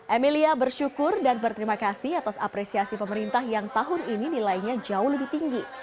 emilia bersyukur dan berterima kasih atas apresiasi pemerintah yang tahun ini nilainya jauh lebih tinggi